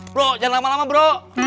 bro jangan lama lama bro